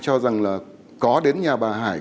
cho rằng là có đến nhà bà hải